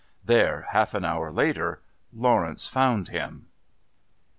There, half an hour later, Lawrence found him.